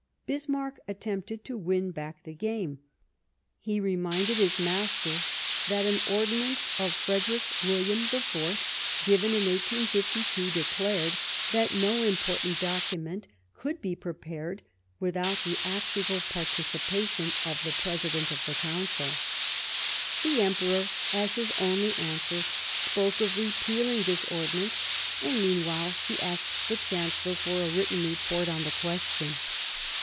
Bismarck attempted to win back the game. He reminded his master that an ordinance of Frederick William IV, given in 1852, declared that no im 'portant document could be prepared without the actual participation of the President of the Council. The Emperor, as his only answer, spoke of re pealing this ordinance, and, meanwhile, he asked the Chancellor for a written report on the question.